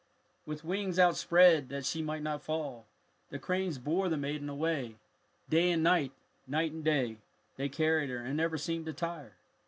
With wings outspread, that she might not fall, the cranes bore the maiden away. Day and night, night and day, they carried her and never seemed to tire.